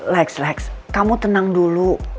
lex kamu tenang dulu